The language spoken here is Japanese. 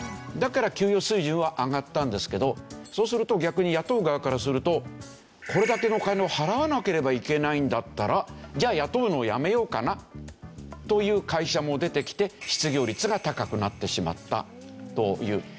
だから給与水準は上がったんですけどそうすると逆に雇う側からするとこれだけのお金を払わなければいけないんだったらじゃあ雇うのをやめようかなという会社も出てきて失業率が高くなってしまったという。